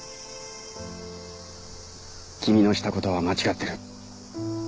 君のした事は間違ってる。